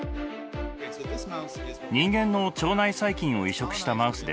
人間の腸内細菌を移植したマウスです。